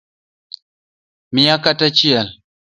Mia kata achiel